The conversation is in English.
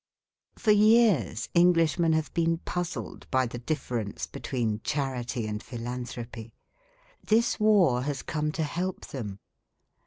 For years Englishmen have been puzzled by the difference between Charity and Philanthropy. This War has come to help them.